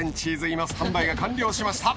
今スタンバイが完了しました。